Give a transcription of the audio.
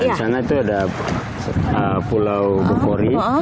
di sana itu ada pulau bupori